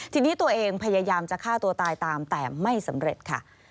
ทีนี้ตัวเองพยายามจะฆ่าตัวตายตามแต่ไม่สำเร็จค่ะ